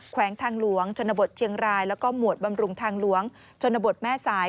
วงทางหลวงชนบทเชียงรายแล้วก็หมวดบำรุงทางหลวงชนบทแม่สาย